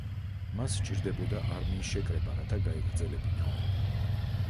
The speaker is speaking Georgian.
მას სჭირდებოდა არმიის შეკრება, რათა გაეგრძელებინა ომი.